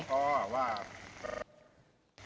เขาตอบว่า